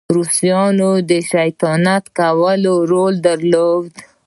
روسانو د شیطانت کولو رول درلود.